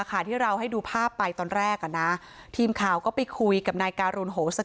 เขาอยู่หลายวงการ